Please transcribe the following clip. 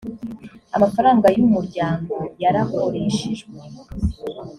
amafaranga y’umuryango yarakoreshejwe